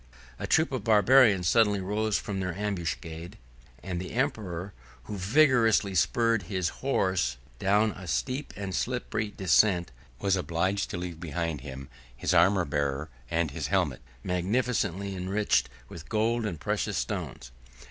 A troop of Barbarians suddenly rose from their ambuscade: and the emperor, who vigorously spurred his horse down a steep and slippery descent, was obliged to leave behind him his armor bearer, and his helmet, magnificently enriched with gold and precious stones.